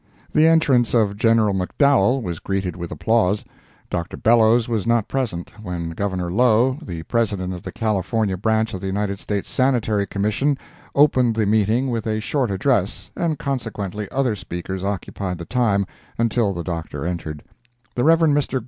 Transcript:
The entrance of General McDowell was greeted with applause. Dr. Bellows was not present, when Governor Low, the President of the California Branch of the United States Sanitary Commission, opened the meeting with a short address, and consequently other speakers occupied the time until the Dr. entered. The Rev. Mr.